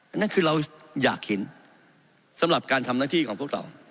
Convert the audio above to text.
นั่นคือเราอยากเห็นสำหรับการทำหน้าที่ของพวกเรา